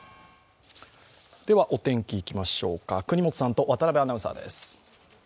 お天気いきましょうか、國本さんと渡部アナウンサーです。